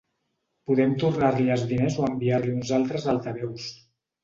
Podem tornar-li els diners o enviar-li uns altres altaveus.